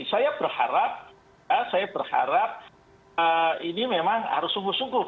jadi saya berharap saya berharap ini memang harus sungguh sungguh